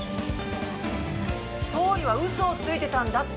総理は嘘をついていたんだって。